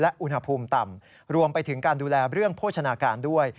อุณหภูมิต่ำรวมไปถึงการดูแลเรื่องโภชนาการด้วย